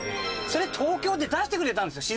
それを東京で出してくれたんですよ